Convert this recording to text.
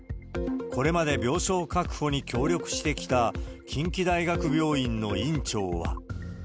これまで病床確保に協力してきた近畿大学病院の院長は。